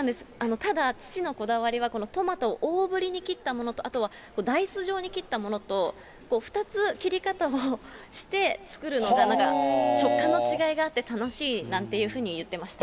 ただ父のこだわりは、このトマトを大ぶりに切ったものと、あとはダイス状に切ったものと、２つ切り方をして作るのが、なんか食感の違いがあって、楽しいなんていうふうに言ってました。